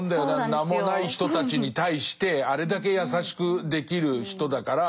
名もない人たちに対してあれだけ優しくできる人だから。